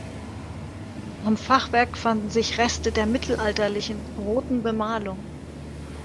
Am Fachwerk fanden sich Reste der mittelalterlichen roten Bemalung.